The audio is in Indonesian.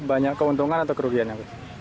banyak keuntungan atau kerugiannya